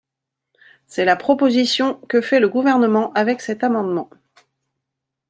C’est la proposition que fait le Gouvernement avec cet amendement.